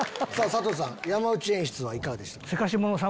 佐藤さん山内演出はいかがでしたか？